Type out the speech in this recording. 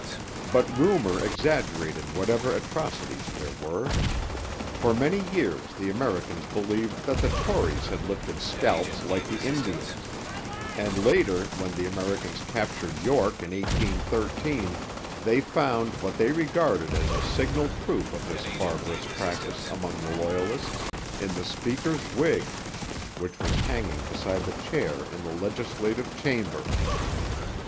But rumour exaggerated whatever atrocities there were. For many years the Americans believed that the Tories had lifted scalps like the Indians; and later, when the Americans captured York in 1813, they found what they regarded as a signal proof of this barbarous practice among the Loyalists, in the speaker's wig, which was hanging beside the chair in the legislative chamber!